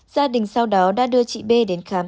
gia đình sau đó đã đưa chị bê đến khám